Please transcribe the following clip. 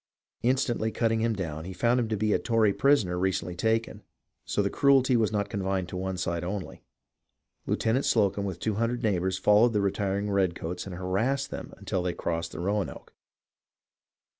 Instantly cutting him down, he found him to be a Tory prisoner recently taken. So the cruelty was not confined to one side only. Lieutenant Slocumb with two hundred neighbours followed the retiring redcoats and har assed them until they crossed the Roanoke.